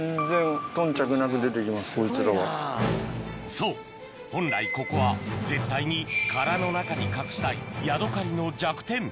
そう本来ここは絶対に殻の中に隠したいヤドカリの弱点